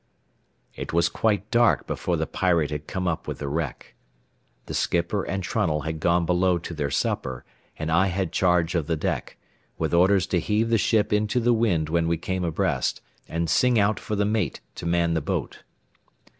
XIX It was quite dark before the Pirate had come up with the wreck. The skipper and Trunnell had gone below to their supper, and I had charge of the deck, with orders to heave the ship into the wind when we came abreast, and sing out for the mate to man the boat.